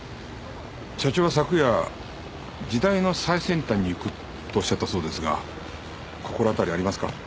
社長は昨夜「時代の最先端に行く」とおっしゃったそうですが心当たりありますか？